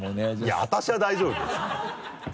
いや私は大丈夫よ別に。